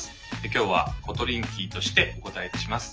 今日はコトリンキーとしてお答えいたします。